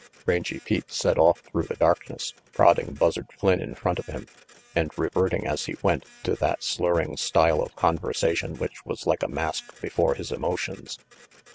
Rangy Pete set off through the darkness, prodding Buzzard Flynn in front of him, and reverting as he RANGY PETE went to that slurring style of conversation which was like a mask before his emotions.